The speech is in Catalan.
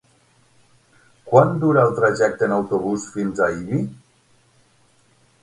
Quant dura el trajecte en autobús fins a Ibi?